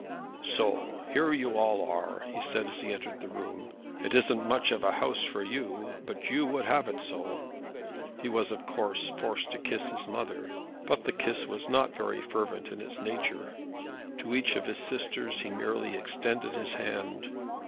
"So, here you all are," he said as he entered the room. "It isn't much of a house for you, but you would have it so." He was of course forced to kiss his mother, but the kiss was not very fervent in its nature. To each of his sisters he merely extended his hand.